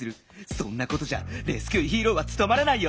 そんなことじゃレスキューヒーローはつとまらないよ。